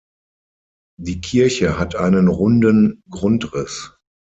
Die Kirche hat einen runden Grundriss.